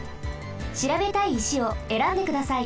しらべたい石をえらんでください。